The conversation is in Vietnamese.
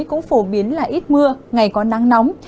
cũng phổ biến là ít mưa ngày có nắng nóng